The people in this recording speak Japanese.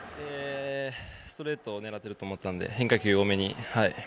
ストレートを狙っていると思ったので変化球を多めに。